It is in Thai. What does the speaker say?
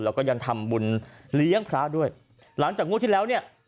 แล้วก็ยังทำบุญเลี้ยงพระด้วยหลังจากงวดที่แล้วเนี่ย